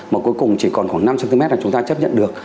mà cuối cùng chỉ còn khoảng năm cm là chúng ta chấp nhận được